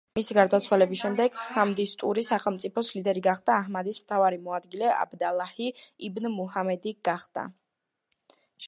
მისი გარდაცვალების შემდეგ მაჰდისტური სახელმწიფოს ლიდერი გახდა აჰმადის მთავარი მოადგილე აბდალაჰი იბნ მუჰამადი გახდა.